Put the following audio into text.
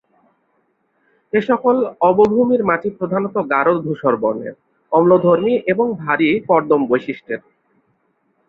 এসকল অবভূমির মাটি প্রধানত গাঢ় ধূসর বর্ণের, অম্লধর্মী এবং ভারি কর্দম বৈশিষ্ট্যের।